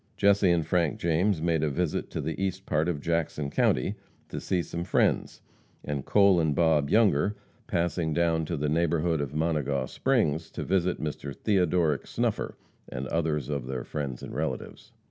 Jesse and Frank James made a visit to the east part of Jackson county to see some friends, and Cole and Bob Younger, passing down to the neighborhood of Monegaw Springs, to visit Mr. Theodoric Snuffer and others of their friends and relatives.